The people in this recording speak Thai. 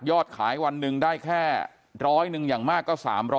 ขายวันหนึ่งได้แค่ร้อยหนึ่งอย่างมากก็๓๐๐